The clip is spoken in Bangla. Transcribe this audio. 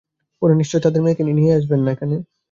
ওঁরা নিশ্চয়ই তাঁদের মেয়েকে নিয়ে এখানে আসবেন না।